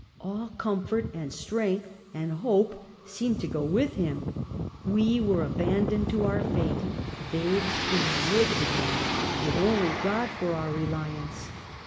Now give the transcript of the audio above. All comfort and strength and hope seemed to go with him. We were abandoned to our fate, babes in the woods again, with only God 26 Half a Century. for our reliance.